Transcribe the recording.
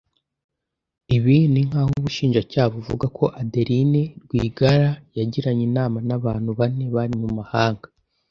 Ibi ni nk’aho ubushinjacyaha buvuga ko Adeline Rwigara yagiranye inama n’abantu bane bari mu mahanga